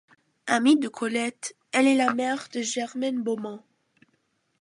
Amie de Colette, elle est la mère de Germaine Beaumont.